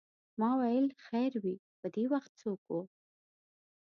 ما ویل خیر وې په دې وخت څوک و.